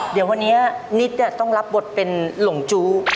เดี๋ยววันนี้นิดต้องรับบทเป็นหลงจู้